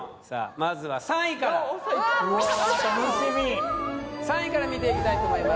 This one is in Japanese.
まずは３位からうわ楽しみ３位から見ていきたいと思います